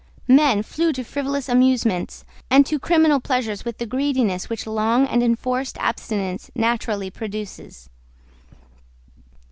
Men flew to frivolous amusements and to criminal pleasures with the greediness which long and enforced abstinence naturally produces.